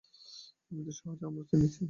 আমি সহসা আমারে চিনেছি।